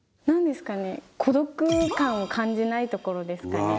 何ですかね孤独感を感じないところですかね。